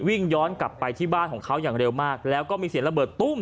วิ่งย้อนกลับไปที่บ้านของเขาอย่างเร็วมากแล้วก็มีเสียงระเบิดตุ้ม